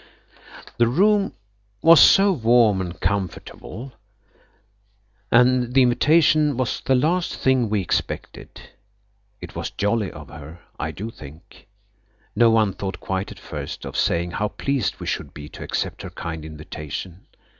The room was so warm and comfortable and the invitation was the last thing we expected. It was jolly of her, I do think. No one thought quite at first of saying how pleased we should be to accept her kind invitation.